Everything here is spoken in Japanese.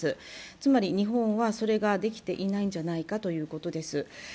つまり日本はそれができていないんじゃないかということです。